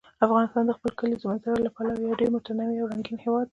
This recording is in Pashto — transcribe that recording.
افغانستان د خپلو کلیزو منظره له پلوه یو ډېر متنوع او رنګین هېواد دی.